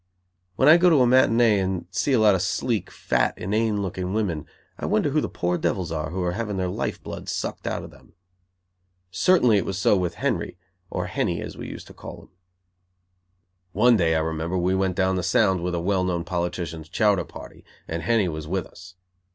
When I go to a matinée and see a lot of sleek, fat, inane looking women, I wonder who the poor devils are who are having their life blood sucked out of them. Certainly it was so with Henry, or Henny, as we used to call him. One day, I remember, we went down the Sound with a well known politician's chowder party, and Henny was with us.